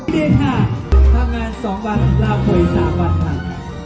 พิเศษค่ะทำงานสองวันลาไปสามวันหลัง